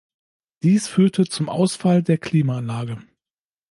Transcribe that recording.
Dies führte zum Ausfall der Klimaanlage.